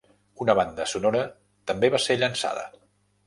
Una banda sonora també va ser llançada.